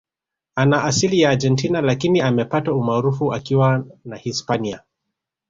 Ana asili ya Argentina Lakini amepata umaarufu akiwa na Hispania